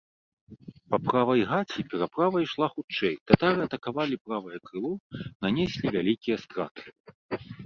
Па правай гаці пераправа ішла хутчэй, татары атакавалі правае крыло, нанеслі вялікія страты.